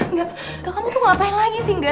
nggak kamu tuh ngapain lagi sih nggak